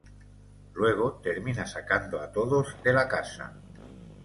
Luego, termina sacando a todos de la casa.